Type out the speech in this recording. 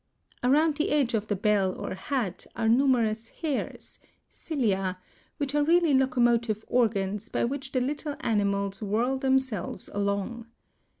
Around the edge of the bell or hat are numerous hairs (cilia) which are really locomotive organs by which the little animals whirl themselves along.